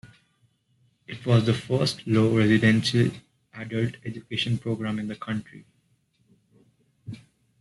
It was the first low-residency adult education program in the country.